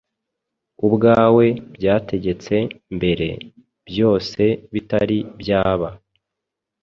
ubwawe byategetse mbere, byose bitari byaba.”